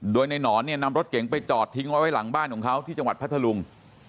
โดยในหนอนเนี่ยนำรถเก๋งไปจอดทิ้งไว้หลังบ้านของเขาที่จังหวัดพัทธลุง